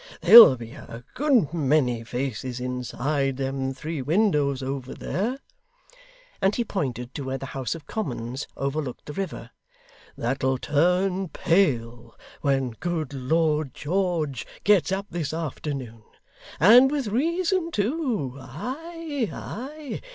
There'll be a good many faces inside them three windows over there,' and he pointed to where the House of Commons overlooked the river, 'that'll turn pale when good Lord George gets up this afternoon, and with reason too! Ay, ay.